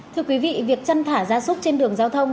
thưa quý vị việc chăn thả ra súc trên đường giao thông